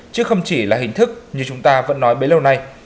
chứ không chỉ là hình thức như chúng ta vẫn nói bấy lâu nay